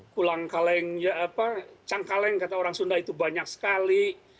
pulang kaleng ya apa cang kaleng kata orang sunda itu banyak sekali